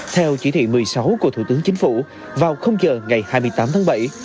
theo chỉ thị một mươi sáu của thủ tướng chính phủ vào giờ ngày hai mươi tám tháng bảy